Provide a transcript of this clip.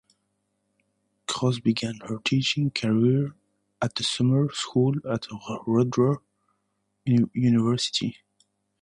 Cross began her teaching career at the summer school at Rutgers University.